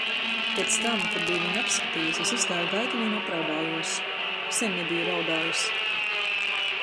Pēc tam, kad biju viņu apskatījis, es izgāju gaitenī un apraudājos. Sen nebiju raudājis.